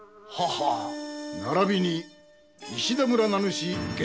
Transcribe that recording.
ならびに石田村名主源之丞。